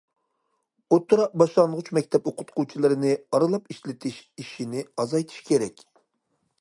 -- ئوتتۇرا- باشلانغۇچ مەكتەپ ئوقۇتقۇچىلىرىنى ئارىلاپ ئىشلىتىش ئىشىنى ئازايتىش كېرەك.